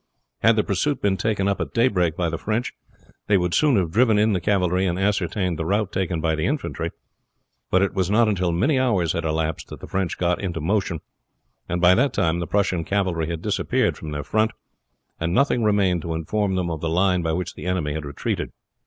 Had the pursuit been taken up at daybreak by the French, they would soon have driven in the cavalry and ascertained the route taken by the infantry; but it was not until many hours had elapsed that the French got into motion, and by that time the Prussian cavalry had disappeared from their front, and nothing remained to inform them of the line by which the enemy had retreated.